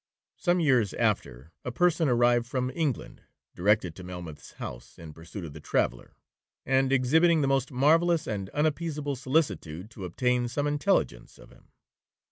Some years after, a person arrived from England, directed to Melmoth's house, in pursuit of the traveller, and exhibiting the most marvellous and unappeasable solicitude to obtain some intelligence of him.